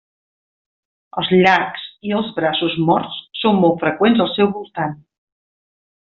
Els llacs i els braços morts són molt freqüents al seu voltant.